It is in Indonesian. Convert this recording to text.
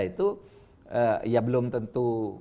itu ya belum tentu